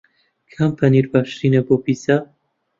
کام پەنیر باشترینە بۆ پیتزا؟